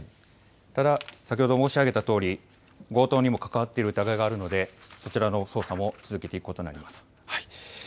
ただ先ほど申し上げたとおり、強盗にも関わっている疑いがあるので、そちらの捜査も続けていくことになります。